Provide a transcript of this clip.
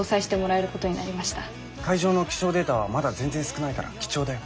海上の気象データはまだ全然少ないから貴重だよ。